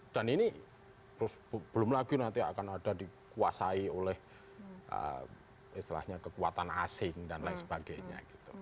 dan ini belum lagi nanti akan ada dikuasai oleh istilahnya kekuatan asing dan lain sebagainya